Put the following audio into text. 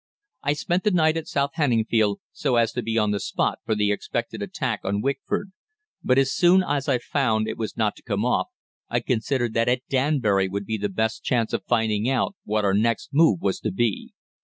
I had spent the night at South Hanningfield, so as to be on the spot for the expected attack on Wickford; but as soon as I found it was not to come off, I considered that at Danbury would be the best chance of finding out what our next move was to be.